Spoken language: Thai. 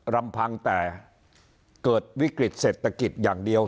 ลำพังแต่เกิดวิกฤตเศรษฐกิจอย่างเดียว